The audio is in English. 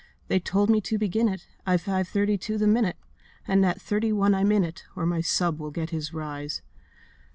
They told me to begin it At five thirty to the minute, And at thirty one I'm in it, Or my sub will get his rise.